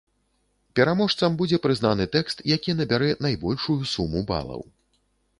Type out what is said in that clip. Пераможцам будзе прызнаны тэкст, які набярэ найбольшую суму балаў.